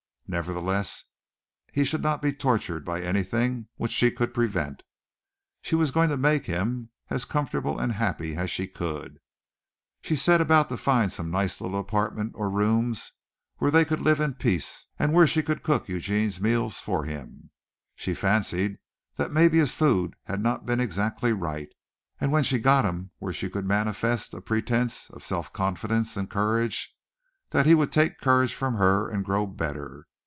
Nevertheless, he should not be tortured by anything which she could prevent. She was going to make him as comfortable and happy as she could. She set about to find some nice little apartment or rooms where they could live in peace and where she could cook Eugene's meals for him. She fancied that maybe his food had not been exactly right, and when she got him where she could manifest a pretence of self confidence and courage that he would take courage from her and grow better.